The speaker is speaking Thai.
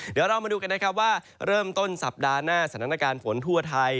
เดี๋ยวเรามาดูกันนะครับว่าเริ่มต้นสัปดาห์หน้าสถานการณ์ฝนทั่วไทย